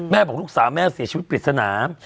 บอกลูกสาวแม่เสียชีวิตปริศนา